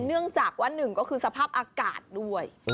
เนื่องจากว่า๑สภาพอากาศด้วย